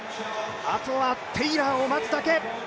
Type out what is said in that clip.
あとはテイラーを待つだけ。